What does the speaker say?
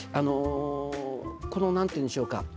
この、なんて言うんでしょうか